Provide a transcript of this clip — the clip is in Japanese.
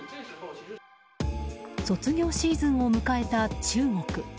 卒業シーズンを迎えた中国。